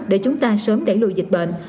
để chúng ta sớm đẩy lùi dịch bệnh